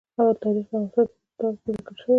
تاریخ د افغانستان په اوږده تاریخ کې ذکر شوی دی.